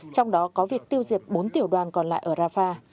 trong đó có việc tiêu diệt bốn tiểu đoàn còn lại ở rafah